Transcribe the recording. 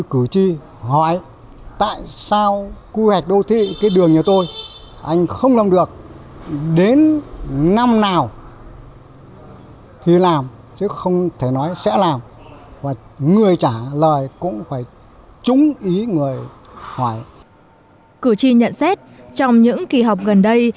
cử tri nhận xét trong những kỳ họp gần đây